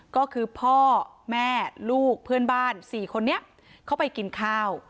ก็คือพ่อแม่ลูกเพื่อนบ้าน๔คนนี้เขาไปกินข้าว